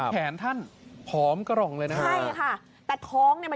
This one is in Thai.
แขนท่านพร้อมกระรองเลยนะคะ